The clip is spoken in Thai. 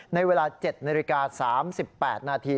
ในเวลา๗นาฬิกา๓๘นาที